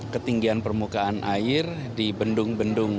ketinggian permukaan air di bendung bendung